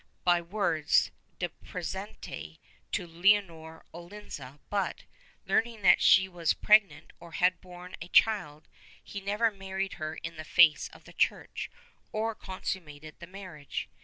318 BIGAMY [Book VIII words de proesenti to Leonor Olzina but, learning that she was pregnant or had borne a child, he never married her in the face of the Church or consummated the marriage.